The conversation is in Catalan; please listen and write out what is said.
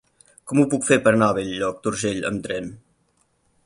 Com ho puc fer per anar a Bell-lloc d'Urgell amb tren?